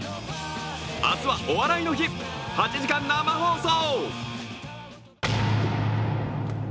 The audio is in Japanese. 明日は「お笑いの日」８時間生放送。